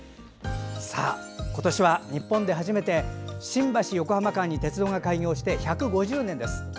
今年は日本で初めて新橋横浜間に鉄道が開業して１５０年です。